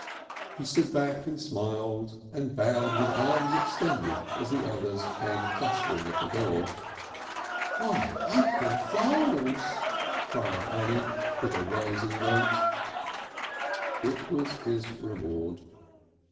He stood back and smiled and bowed with arms extended as the others came clustering at the door. "Why, Un clé Voules!" cried Annie, with a rising note. It was his reward.